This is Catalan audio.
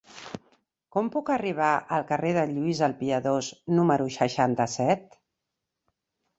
Com puc arribar al carrer de Lluís el Piadós número seixanta-set?